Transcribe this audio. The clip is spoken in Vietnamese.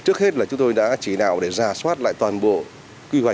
trước hết là chúng tôi đã chỉ nào để ra soát lại toàn bộ